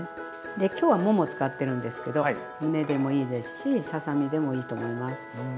で今日はもも使ってるんですけどむねでもいいですしささみでもいいと思います。